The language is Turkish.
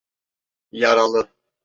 Yaralı…